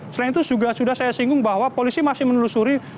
selain itu juga sudah saya singgung bahwa polisi masih menelusuri